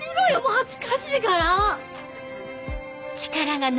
恥ずかしいから。